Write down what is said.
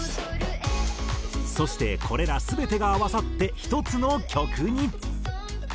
そしてこれら全てが合わさって１つの曲に。